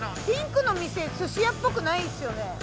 ピンクの店すし屋っぽくないですよね？